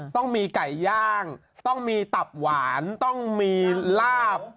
ต้องมีไก่ย่างต้องมีตับหวานต้องมีลาบ